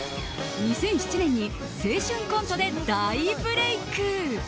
２００７年に青春コントで大ブレーク。